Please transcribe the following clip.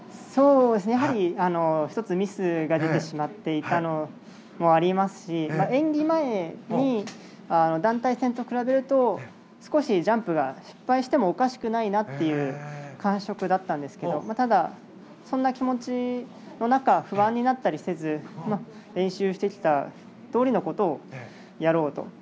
やはり１つミスが出てしまっていたのもありますし演技前に、団体戦と比べると少しジャンプが失敗してもおかしくないなという感触だったんですけどただ、そんな気持ちの中不安になったりせず練習してきたどおりのことをやろうと。